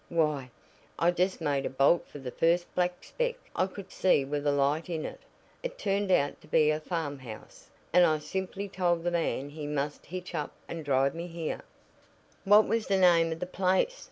Why, I just made a bolt for the first black speck I could see with a light in it. It turned out to be a farmhouse, and I simply told the man he must hitch up and drive me here." "What was the name of the place?"